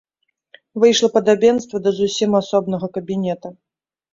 Выйшла падабенства да зусім асобнага кабінета.